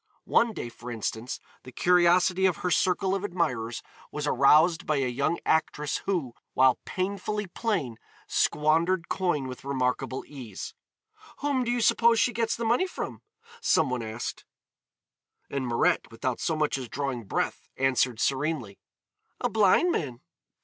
One day, for instance, the curiosity of her circle of admirers was aroused by a young actress who, while painfully plain, squandered coin with remarkable ease. "Whom do you suppose she gets the money from?" some one asked, and Mirette without so much as drawing breath answered serenely, "A blind man."